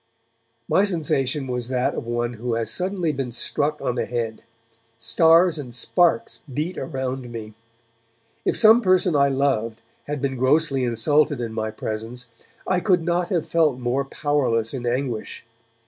My sensation was that of one who has suddenly been struck on the head; stars and sparks beat around me. If some person I loved had been grossly insulted in my presence, I could not have felt more powerless in anguish.